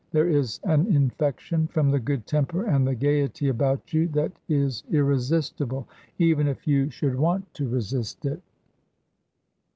There is an infection from the good temper and the gaiety about you that is irresistible, even if you should want to resist it.